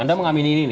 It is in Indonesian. anda mengamini ini ya